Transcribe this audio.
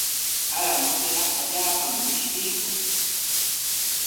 Sara mutiqa allaapami mishkiykun.